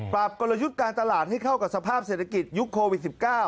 กลยุทธ์การตลาดให้เข้ากับสภาพเศรษฐกิจยุคโควิด๑๙